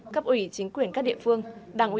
các ủy chính quyền các địa phương